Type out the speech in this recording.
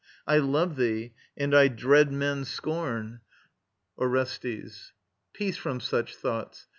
I love thee and I dread men's scorn. ORESTES. Peace from such thoughts!